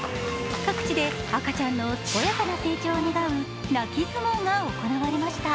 各地で赤ちゃんの健やかな成長を願う泣き相撲が行われました。